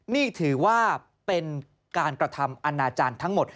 นี่ถือว่าเป็นการกระทำอนาจารย์ทั้งหมด